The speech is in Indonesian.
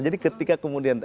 jadi ketika kemudian